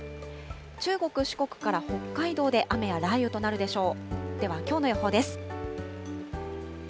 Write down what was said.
中国、四国から北海道で雨や雷雨となるでしょう。